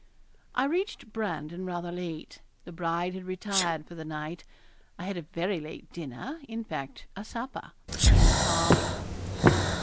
I reached Brandon rather late. The bride had retired for the night. I had a very late dinner in fact a supper in the parlour.